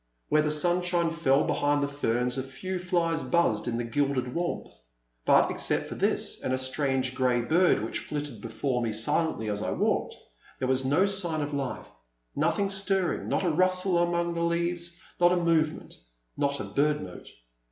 Where the sunshine fell among the ferns a few flies buzzed in the gilded warmth ; but except for this and a strange grey bird which flitted be fore me silently as I walked, there was no sign of life, nothing stirring, not a rustle among the leaves, not a movement, not a bird note.